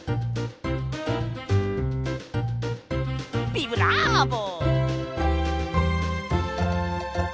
ビブラーボ！